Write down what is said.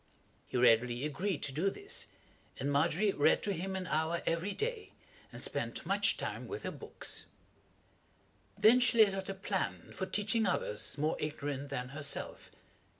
He readily agreed to do this, and Margery read to him an hour every day, and spent much time with her books. Then she laid out a plan for teaching others more ignorant than herself.